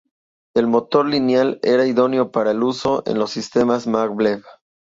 El motor lineal era idóneo para el uso en los sistemas maglev.